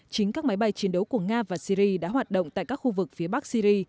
chính các máy bay chiến đấu của nga và syri đã hoạt động tại các khu vực phía bắc syri